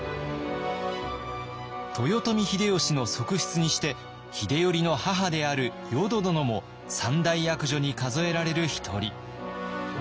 豊臣秀吉の側室にして秀頼の母である淀殿も三大悪女に数えられる一人。